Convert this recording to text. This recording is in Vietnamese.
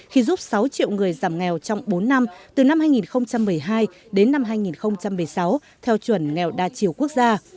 khi giúp sáu triệu người giảm nghèo trong bốn năm từ năm hai nghìn một mươi hai đến năm hai nghìn một mươi sáu theo chuẩn nghèo đa chiều quốc gia